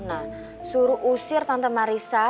nah suruh usir tante marisa